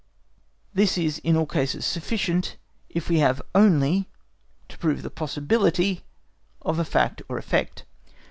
This is in all cases sufficient, if we have only to prove the possibility of a fact or effect.